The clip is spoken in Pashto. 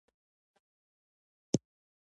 احمد د خسو د اوړو ککو د مرکو تاریخي شالید لري